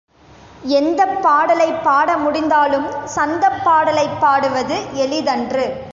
எந்தப் பாடலைப் பாட முடிந்தாலும் சந்தப் பாடலைப் பாடுவது எளிதன்று.